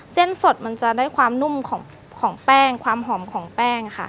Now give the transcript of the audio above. เส้นสดมันจะได้ความนุ่มของแป้งความหอมของแป้งค่ะ